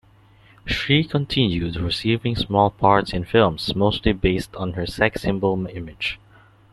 She continued receiving small parts in films mostly based on her sex symbol image.